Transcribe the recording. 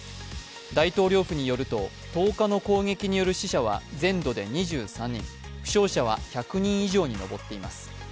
大統領府によると、１０日の攻撃による死者は全土で２３人、負傷者は１００人以上に上っています。